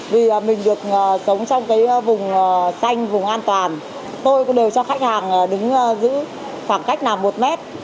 vì mình được sống trong cái vùng xanh vùng an toàn tôi cũng đều cho khách hàng đứng giữ khoảng cách là một mét